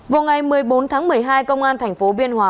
vào ngày một mươi bốn tháng một mươi hai công an thành phố biên hòa